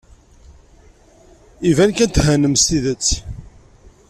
Iban kan thennam s tidet.